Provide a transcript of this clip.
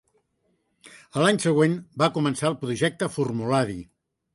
A l'any següent va començar el Projecte Formulari.